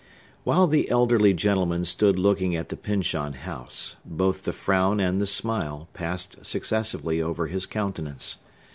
While the elderly gentleman stood looking at the Pyncheon House, both the frown and the smile passed successively over his countenance.